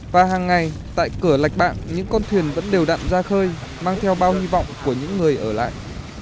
và hàng ngày tại cửa lạch bạng những con thuyền vẫn đều đặn ra khơi mang theo bao hy vọng của những người ở lại